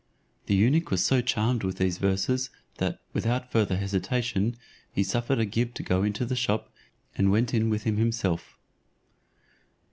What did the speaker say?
The eunuch was so charmed with these verses, that, without further hesitation, he suffered Agib to go into the shop, and went in with him himself.